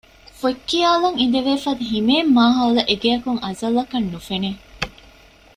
ފޮތްކިޔާލަން އިނދެލެވޭފަދަ ހިމޭން މާހައުލެއް އެގެއަކުން އަޒަލްއަކަށް ނުފެނެ